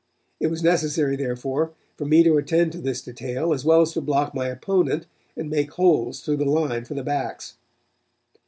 It was necessary, therefore, for me to attend to this detail as well as to block my opponent and make holes through the line for the backs.